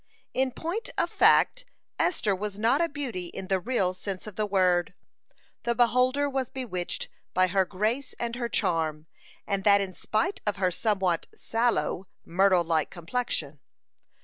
In point of fact, Esther was not a beauty in the real sense of the word. The beholder was bewitched by her grace and her charm, and that in spite of her somewhat sallow, myrtle like complexion.